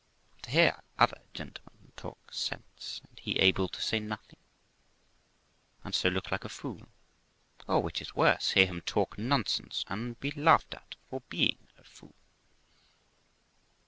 to hear other genlemen talk sense, and he able to say nothing? and so look like a fool, or, which is worse, hear him talk nonsense, and be laughed at for a fool.